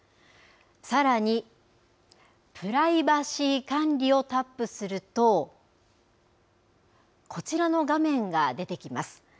さらにプライバシー管理をタップすると、こちらの画面が出てきます。